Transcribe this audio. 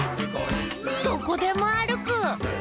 「どこでもあるく！」